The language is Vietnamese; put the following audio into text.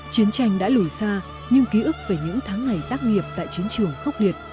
chiến tranh đã lùi xa nhưng ký ức về những tháng ngày tác nghiệp tại chiến trường khốc liệt